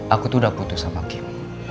aku tuh udah putus sama kim